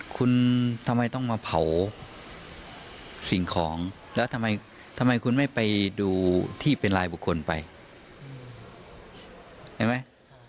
คุณทำไมต้องมาเผาสิ่งของแล้วทำไมคุณไม่ไปดูที่เป็นรายบุคคลไปเห็นไหม